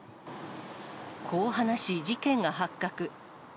こう話し、事件が発覚。